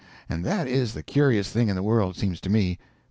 And that is the curiosest thing in the world, seems to me.